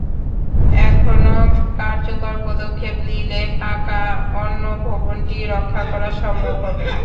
এখনো কার্যকর পদক্ষেপ নিলে পাকা অন্য ভবনটি রক্ষা করা সম্ভব হবে।